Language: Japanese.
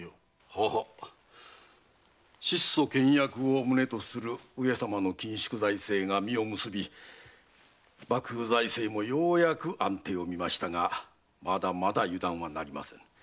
はっ質素倹約を旨とする上様の緊縮財政が実を結び幕府財政もようやく安定をみましたがまだまだ油断はなりませぬ。